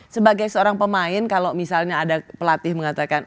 sebagai seorang pemain kalau misalnya ada pelatih mengatakan